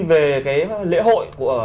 về lễ hội